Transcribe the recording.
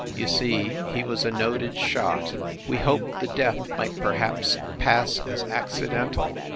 You see, he was a noted shot ... we hoped the death might perhaps pass as accidental